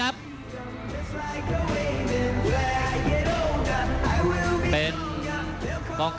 ท่านแรกครับจันทรุ่ม